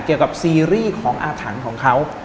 เกี่ยวกับซีรีส์ของอาถังของเขา